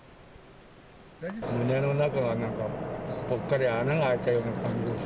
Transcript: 胸の中がなんか、ぽっかり穴が開いたような感じです。